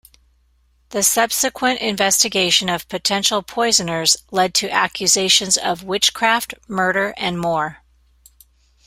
The subsequent investigation of potential poisoners led to accusations of witchcraft, murder and more.